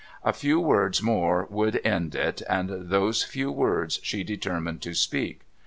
A few words more would end it, and those few words she determined to speak.